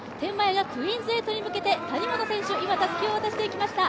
クイーンズ８に向けて、谷本選手にたすきを渡しました。